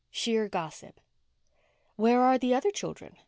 SHEER GOSSIP "Where are the other children?"